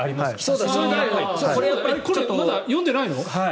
これまだ読んでないの？